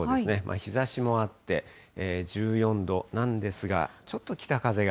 日ざしもあって、１４度なんですが、ちょっと北風が。